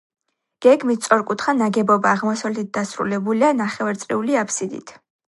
გეგმით სწორკუთხა ნაგებობა, აღმოსავლეთით დასრულებულია ნახევარწრიული აბსიდით.